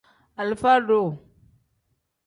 Alifa-duu.